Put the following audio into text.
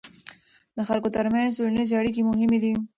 د خلکو ترمنځ ټولنیزې اړیکې مهمې دي.